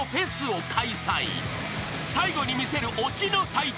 ［最後に見せるオチの祭典］